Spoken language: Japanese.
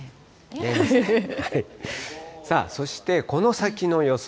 さあ、そしてこの先の予想